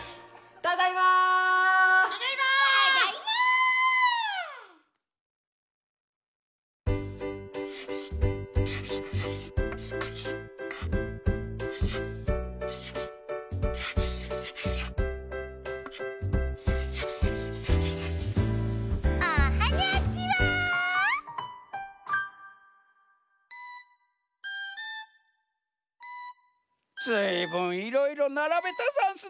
ずいぶんいろいろならべたざんすね。